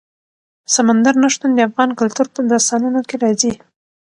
سمندر نه شتون د افغان کلتور په داستانونو کې راځي.